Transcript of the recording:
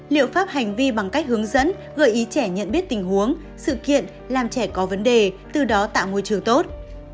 liệu pháp hành vi bằng cách hướng dẫn gợi ý trẻ nhận biết tình huống sự kiện làm trẻ có vấn đề từ đó tạo môi trường tốt